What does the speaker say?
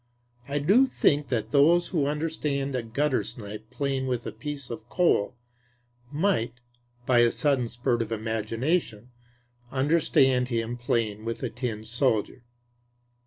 I do think that those who understand a guttersnipe playing with a piece of coal might, by a sudden spurt of imagination, understand him playing with a tin soldier.